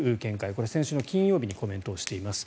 これ、先週の金曜日にコメントしています。